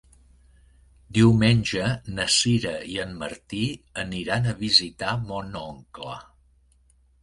Diumenge na Sira i en Martí aniran a visitar mon oncle.